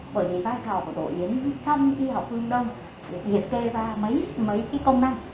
bởi vì vai trò của tổ yến trong y học phương đông hiệt kê ra mấy công năng